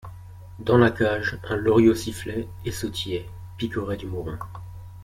Dans la cage, un loriot sifflait et sautillait, picorait du mouron.